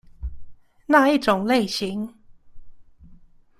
那一種類型